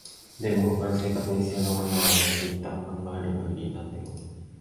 でも、他の生活に必要なものは乗せていった、考えうる限り何でも